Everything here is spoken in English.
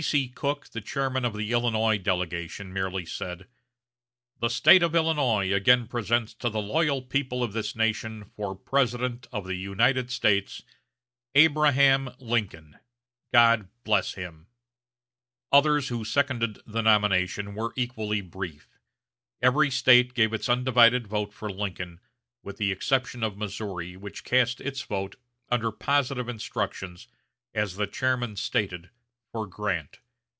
B.C. Cook, the chairman of the Illinois delegation, merely said: "The State of Illinois again presents to the loyal people of this nation for President of the United States, Abraham Lincoln God bless him!" Others, who seconded the nomination, were equally brief. Every State gave its undivided vote for Lincoln, with the exception of Missouri, which cast its vote, under positive instructions, as the chairman stated, for Grant.